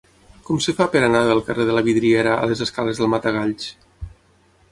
Com es fa per anar del carrer de la Vidrieria a les escales del Matagalls?